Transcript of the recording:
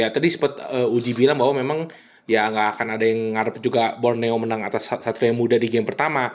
tadi sempat uji bilang bahwa memang ya nggak akan ada yang ngadap juga borneo menang atas satu yang muda di game pertama